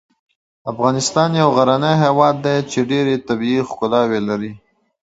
افغانستان یو غرنی هیواد دی چې ډېر طعبی ښکلاوي لري